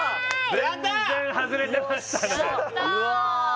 全然外れてましたね